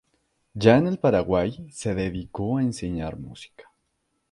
Ya en el Paraguay, se dedicó a enseñar música.